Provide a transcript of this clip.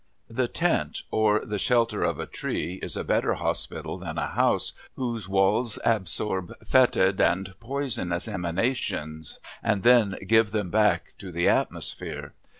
The tent or the shelter of a tree is a better hospital than a house, whose walls absorb fetid and poisonous emanations, and then give them back to the atmosphere.